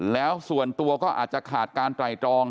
แล้วส่วนตัวก็อาจจะขาดการไตรตรอง